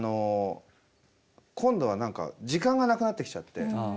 今度は何か時間がなくなってきちゃって。